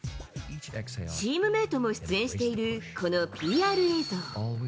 チームメートも出演しているこのＰＲ映像。